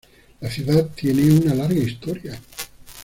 La ciudad tiene una larga historia.